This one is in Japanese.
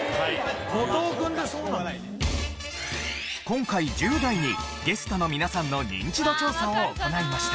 今回１０代にゲストの皆さんのニンチド調査を行いました。